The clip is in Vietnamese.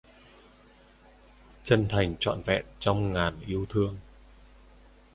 Chân thành trọn vẹn trong ngàn yêu thương.